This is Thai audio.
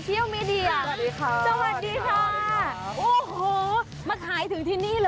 เฮ่ยวันชื่อ